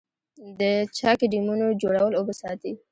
د چک ډیمونو جوړول اوبه ساتي